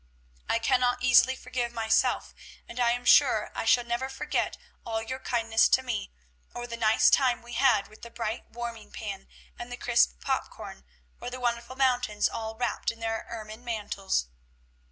I cannot easily forgive myself, and I am sure I shall never forget all your kindness to me, or the nice time we had with the bright warming pan and the crisp pop corn, or the wonderful mountains all wrapped in their ermine mantles.